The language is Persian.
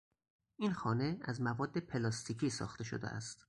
این خانه از مواد پلاستیکی ساخته شده است.